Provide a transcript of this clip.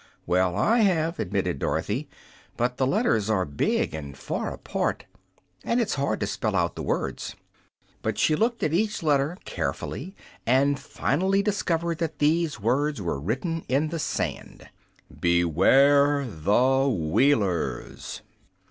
"Well, I have," admitted Dorothy; "but the letters are big and far apart, and it's hard to spell out the words." But she looked at each letter carefully, and finally discovered that these words were written in the sand: "BEWARE THE WHEELERS!"